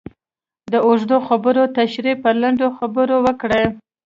د اوږدو خبرو تشرېح په لنډو خبرو وکړئ.